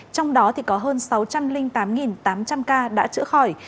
trong đó thì có hơn sáu trăm linh tám tám trăm linh ca đã chữa khỏi